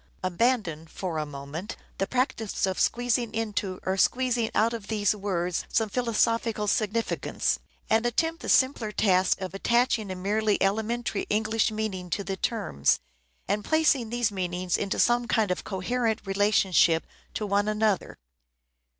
Abandon for a moment the practice of squeezing into or squeezing out of these words some philosophical significance, and attempt the simpler task of attaching a merely elementary English meaning to the terms, and placing these meanings into some kind of coherent relationship to one another.